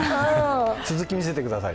続き見せてください。